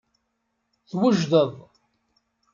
Twejdeḍ.